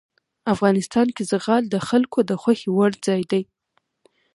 افغانستان کې زغال د خلکو د خوښې وړ ځای دی.